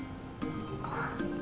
あっ。